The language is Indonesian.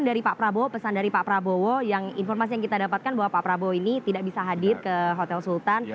dari pak prabowo pesan dari pak prabowo yang informasi yang kita dapatkan bahwa pak prabowo ini tidak bisa hadir ke hotel sultan